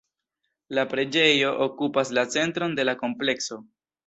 La preĝejo okupas la centron de la komplekso.